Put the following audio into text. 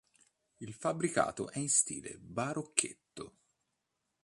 Il fabbricato è in stile barocchetto.